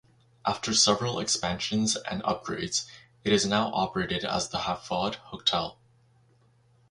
After several expansions and upgrades, it is now operated as the Hafod Hotel.